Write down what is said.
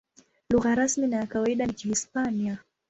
Lugha rasmi na ya kawaida ni Kihispania.